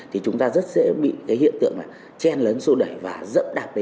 thì chúng ta rất dễ bị cái hiện tượng là chen lớn xô đẩy và dẫn đạp lên